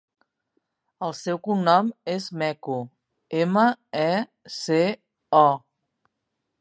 El seu cognom és Meco: ema, e, ce, o.